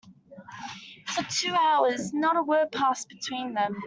For two hours not a word passed between them.